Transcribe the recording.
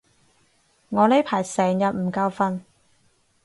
我呢排成日唔夠瞓